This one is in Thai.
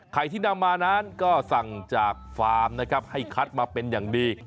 ที่นำมานั้นก็สั่งจากฟาร์มนะครับให้คัดมาเป็นอย่างดี